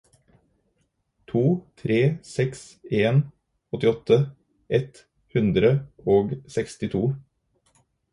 to tre seks en åttiåtte ett hundre og sekstito